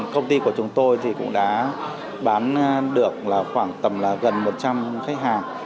công ty của chúng tôi thì cũng đã bán được khoảng tầm là gần một trăm linh khách hàng